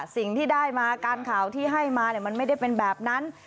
สิ่งที่ได้มาการข่าวที่ให้มามันไม่ได้เป็นแบบนั้น